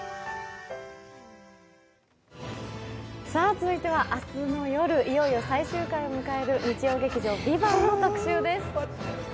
続いては、明日の夜いよいよ最終回を迎える日曜劇場「ＶＩＶＡＮＴ」の特集です。